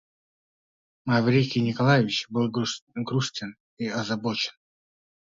Маврикий Николаевич был грустен и озабочен.